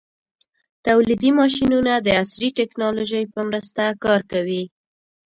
تولیدي ماشینونه د عصري ټېکنالوژۍ په مرسته کار کوي.